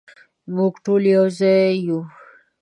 مونږ ټول یو ځای یو